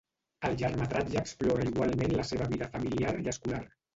El llargmetratge explora igualment la seva vida familiar i escolar.